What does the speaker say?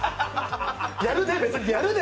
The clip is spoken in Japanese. やるなら別にやるで！